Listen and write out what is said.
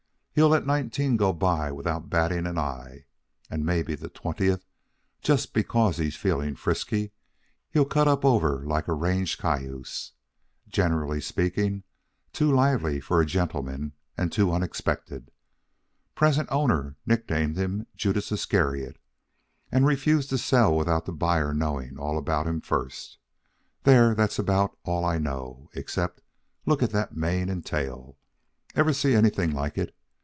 He'll let nineteen go by without batting an eye, and mebbe the twentieth, just because he's feeling frisky, he'll cut up over like a range cayuse. Generally speaking, too lively for a gentleman, and too unexpected. Present owner nicknamed him Judas Iscariot, and refuses to sell without the buyer knowing all about him first. There, that's about all I know, except look at that mane and tail. Ever see anything like it?